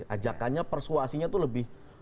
ajakannya persuasinya tuh lebih